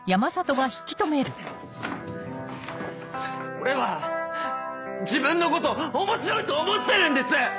俺は自分のこと面白いと思ってるんです！